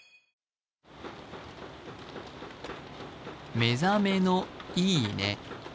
「目覚めのいい音」。